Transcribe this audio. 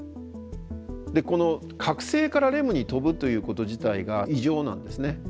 この覚醒からレムに飛ぶということ自体が異常なんですね。